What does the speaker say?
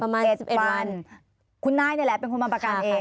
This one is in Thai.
๗๑วันคุณนายนี่แหละเป็นคนมาประกันเอง